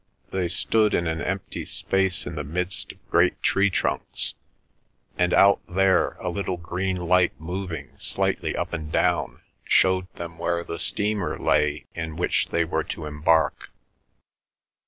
They stood in an empty space in the midst of great tree trunks, and out there a little green light moving slightly up and down showed them where the steamer lay in which they were to embark.